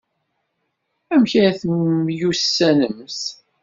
Amek ay temyussanemt?